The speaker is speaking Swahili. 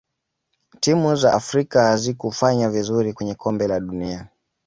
timu za afrika hazikufanya vizuri kwenye kombe la dunia